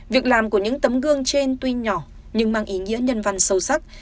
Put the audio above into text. việc làm của những tấm gương trên tuy nhỏ nhưng mang ý nghĩa nhân văn sâu sắc